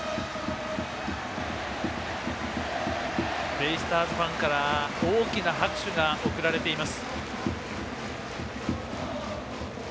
ベイスターズファンから大きな拍手が送られています。